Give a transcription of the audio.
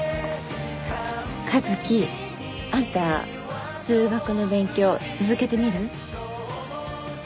一輝あんた数学の勉強続けてみる？